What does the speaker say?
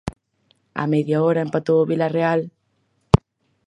Á media hora empatou o Vilarreal.